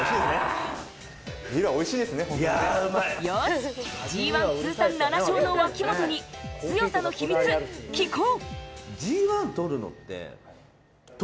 よし、Ｇ１通算７勝の脇本に強さの秘密、聞こう！